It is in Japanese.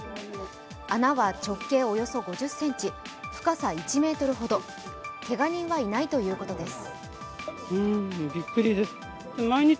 穴は直径およそ５０ｃｍ、深さ１ｍほどけが人はいないということです。